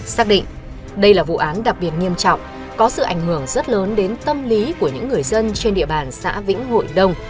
xác định đây là vụ án đặc biệt nghiêm trọng có sự ảnh hưởng rất lớn đến tâm lý của những người dân trên địa bàn xã vĩnh hội đông